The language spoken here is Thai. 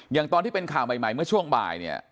อย่างตอนที่เป็นข่าวใหม่เมื่อช่วงบ่าย